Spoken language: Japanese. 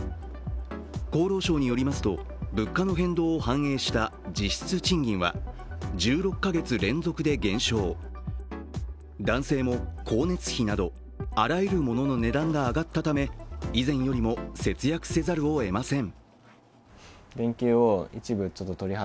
厚労省によりますと、物価の変動を反映した実質賃金は１６か月連続で減少、男性も光熱費などあらゆるモノの値段が上がったため以前よりも節約せざるを得ません。